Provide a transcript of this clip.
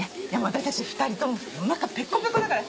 私たち２人ともおなかペコペコだから。